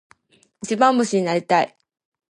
一番星になりたい。